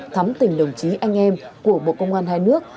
thắm tình đồng chí anh em của bộ công an hai nước